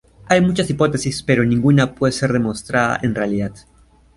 Hay muchas hipótesis, pero ninguna puede ser demostrada en realidad.